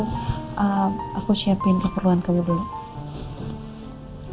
kalau gitu aku siapin keperluan kamu dulu